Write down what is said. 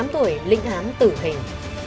một mươi tám tuổi lĩnh ám tử hình